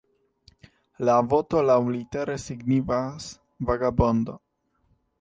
La voto laŭlitere signifas "vagabondo".